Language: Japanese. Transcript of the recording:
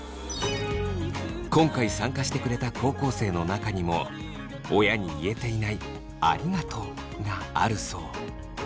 今回参加してくれた高校生の中にも親に言えていない「ありがとう」があるそう。